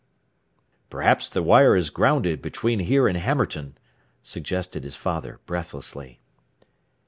"Perhaps the wire is grounded between here and Hammerton," suggested his father breathlessly.